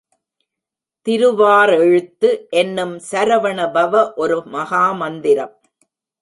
திருவாறெழுத்து என்னும் சரவணபவ ஒரு மகாமந்திரம்.